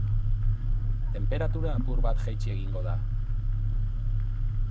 Tenperatura apur bat jaitsi egingo da.